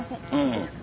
いいですか？